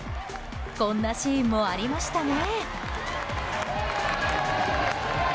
こんなシーンもありましたね。